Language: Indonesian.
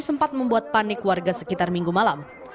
sempat membuat panik warga sekitar minggu malam